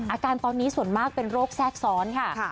อาการตอนนี้ส่วนมากเป็นโรคแทรกซ้อนค่ะ